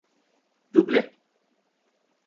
Duble.